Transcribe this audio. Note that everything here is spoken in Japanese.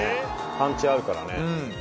パンチあるからね。